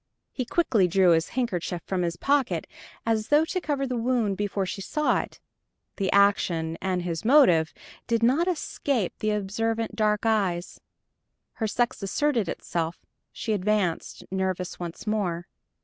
He quickly drew his handkerchief from his pocket, as though to cover the wound before she saw it. The action and its motive did not escape the observant dark eyes. Her sex asserted itself; she advanced, nervous once more.